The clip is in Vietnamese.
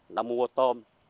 người ta mua tôm